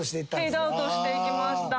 フェードアウトしていきました。